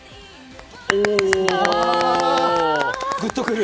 おお、グッとくる。